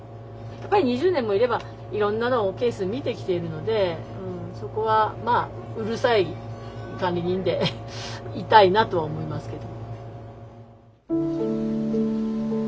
やっぱり２０年もいればいろんなのをケース見てきてるのでそこはまあうるさい管理人でいたいなとは思いますけど。